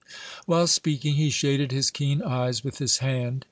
While speaking, he shaded his keen eyes with his hand.